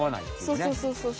そうそうそうそう。